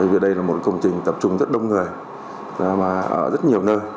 vì đây là một công trình tập trung rất đông người ở rất nhiều nơi